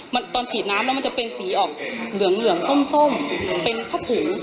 มันตอนฉีดน้ำแล้วมันจะเป็นสีออกเหลืองเหลืองส้มส้มเป็นผ้าถุง